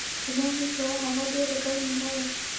ګومان مې کاوه هغه ډېره ګرمه نه وه.